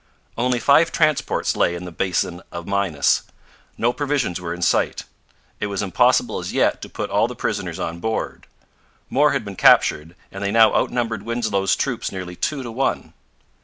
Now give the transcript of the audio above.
Only five transports lay in the basin of Minas. No provisions were in sight. It was impossible as yet to put all the prisoners on board. More had been captured, and they now outnumbered Winslow's troops nearly two to one.